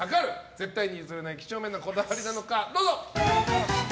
絶対に譲れない几帳面なこだわりなのか。